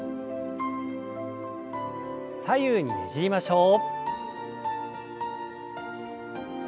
左右にねじりましょう。